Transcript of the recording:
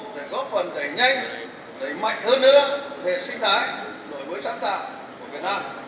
để góp phần đẩy nhanh đẩy mạnh hơn nữa hệ sinh thái đổi mới sáng tạo của việt nam